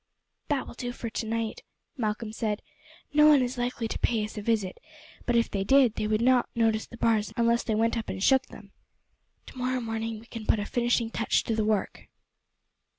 "That will do for tonight," Malcolm said. "No one is likely to pay us a visit; but if they did, they would not notice the bars unless they went up and shook them. Tomorrow morning we can put a finishing touch to the work."